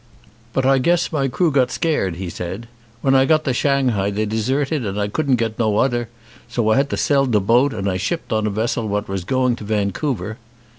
"But I guess my crew got scared," he said. "When I got to Shanghai they deserted and I couldn't get no oder, so I had to sell de boat and I shipped on a Vessel what was going to Van couver."